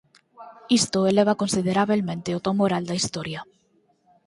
Isto eleva considerabelmente o ton moral da historia.